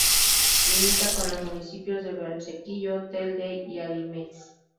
Limita con los municipios de Valsequillo, Telde y Agüimes.